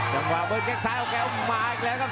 ยังว่าเบิ้ลแค่งซ้ายของแค่งมาอีกแล้วครับ